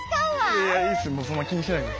いやいいっすそんな気にしないで。